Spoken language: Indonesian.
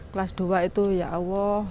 kelas dua itu ya allah